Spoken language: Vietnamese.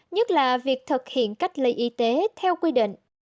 nhất là việc thực hiện cách ly y tế theo quy định